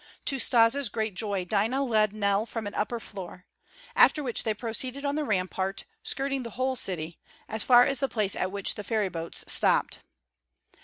To Stas' great joy, Dinah led Nell from an upper floor; after which they proceeded on the rampart, skirting the whole city, as far as the place at which the ferry boats stopped.